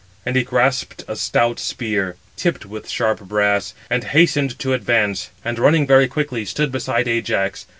And he grasped a stout spear, tipped with sharp brass, and hastened to advance, and running very quickly, stood beside Ajax.